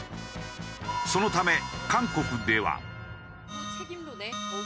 そのため韓国では。